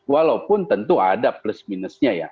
walaupun tentu ada plus minusnya ya